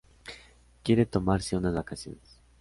Quiere tomarse unas vacaciones.